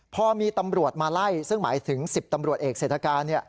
พอมีตำรวจมาไล่ซึ่งหมายถึง๑๐ตำรวจเอกเศรษฐการ